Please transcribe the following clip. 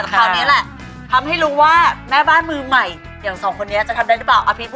ในครั้งนี้แล้วทำให้รู้ว่าแม่บ้านมือใหม่อย่างสองคนนี้จะทำได้หรือเปล่าอาพริกหนุ่มั้ย